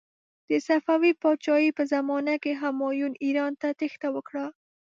د صفوي پادشاهي په زمانې کې همایون ایران ته تیښته وکړه.